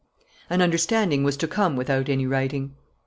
An understanding was come to without any writing.